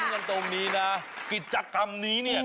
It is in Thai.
กันตรงนี้นะกิจกรรมนี้เนี่ย